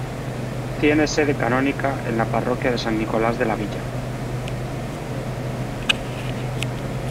Tiene sede canónica en la parroquia de San Nicolás de la Villa.